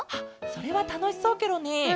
それはたのしそうケロね。